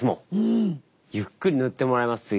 ゆっくり塗ってもらいます次から。